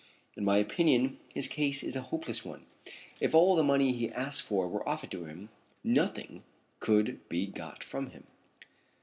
In my opinion his case is a hopeless one. If all the money he asks for were offered to him, nothing could be got from him."